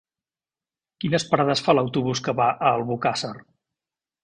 Quines parades fa l'autobús que va a Albocàsser?